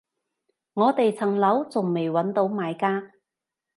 我哋層樓仲未搵到買家